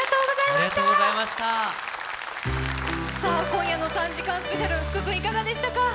今夜の３時間スペシャル福くんいかがでしたか。